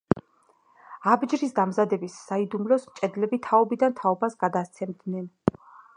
აბჯრის დამზადების საიდუმლოს მჭედლები თაობიდან თაობას გადასცემდნენ.